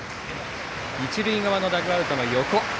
一塁側のダグアウトの横。